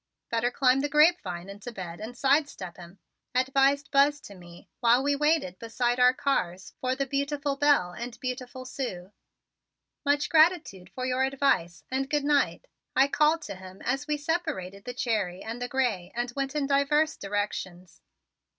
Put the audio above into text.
Better climb the grapevine into bed and side step him," advised Buzz to me while we waited beside our cars for the beautiful Belle and beautiful Sue. "Much gratitude for your advice, and good night," I called to him as we separated the Cherry and the Gray and went in diverse directions.